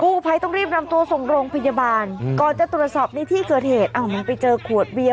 ภัยต้องรีบนำตัวส่งโรงพยาบาลก่อนจะตรวจสอบในที่เกิดเหตุอ้าวมันไปเจอขวดเบียร์